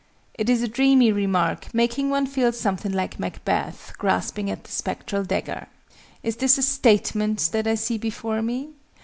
It is a dreamy remark, making one feel something like Macbeth grasping at the spectral dagger. "Is this a statement that I see before me?"